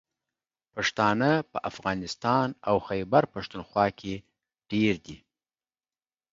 پښتانه په افغانستان او خیبر پښتونخوا کې ډېر دي.